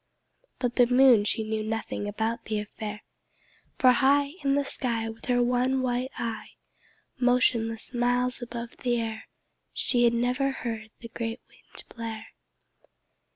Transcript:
But the Moon, she knew nothing about the affair, For, high In the sky, With her one white eye Motionless, miles above the air, She had never heard the great Wind blare.